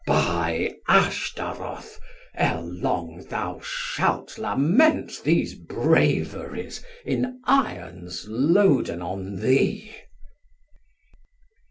Har: By Astaroth e're long thou shalt lament These braveries in Irons loaden on thee.